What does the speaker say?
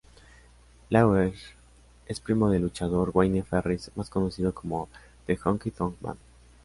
Lawler es primo del luchador Wayne Ferris, más conocido como The Honky Tonk Man.